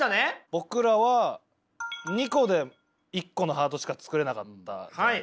僕らは２個で１個のハートしか作れなかった。